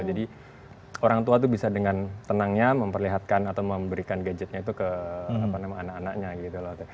jadi orang tua itu bisa dengan tenangnya memperlihatkan atau memberikan gadgetnya itu ke anak anaknya gitu loh